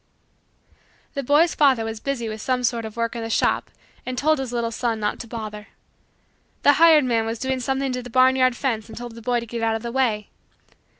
The boy's father was busy with some sort of work in the shop and told his little son not to bother. The hired man was doing something to the barnyard fence and told the boy to get out of the way.